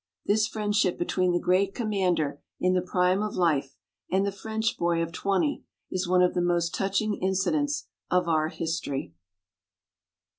This friendship between the great commander, in the prime of life, and the French boy of twenty, is one of the most touching incidents of our history.